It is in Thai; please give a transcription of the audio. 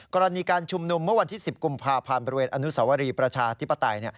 กรณีการชุมนุมเมื่อวันที่๑๐กุมภาพันธ์บริเวณอนุสวรีประชาธิปไตย